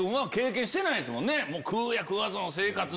食うや食わずの生活。